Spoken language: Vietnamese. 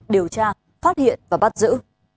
điều tra phát hiện và bắt giữ